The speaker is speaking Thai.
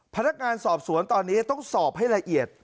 พนักงานสอบสวนตอนนี้ต้องสอบให้ละเอียด